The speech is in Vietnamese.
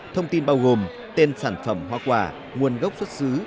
thông tin bao gồm tên sản phẩm hoa quả nguồn gốc xuất xứ